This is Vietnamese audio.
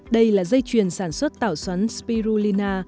đây là dây chuyền sản xuất tảo xoắn spirulina